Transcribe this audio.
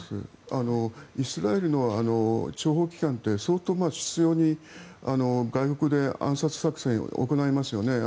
イスラエルの諜報機関って相当、執拗に外国で暗殺作戦を行いますよね。